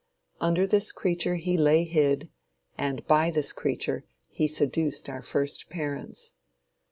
Under this creature he lay hid, and by this creature he seduced our first parents.